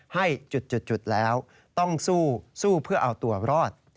ให้จุดแล้วต้องสู้เพื่อเอาตัวรอด